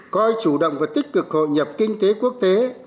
coi chủ động và tích cực hội nhập kinh tế quốc tế